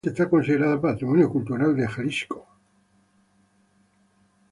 Actualmente es considerada patrimonio cultural de Jalisco.